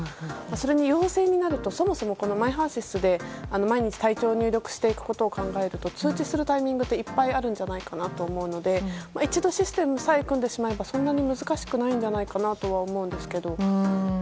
それに陽性になるとそもそもＭｙＨＥＲ‐ＳＹＳで毎日体調を入力することを考えると通知するタイミングっていっぱいあるのではと思うので一度、システムさえ組んでしまえばそんなに難しくないんじゃないかなとは思うんですけど。